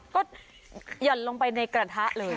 ก็หยั่นไปในกระทะเลย